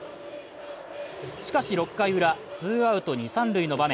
しかし６回ウラ、ツーアウト二・三塁の場面。